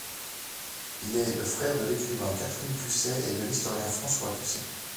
Il est le frère de l'écrivain Catherine Cusset et de l'historien François Cusset.